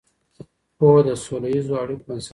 پوهه د سوله ییزو اړیکو بنسټ دی.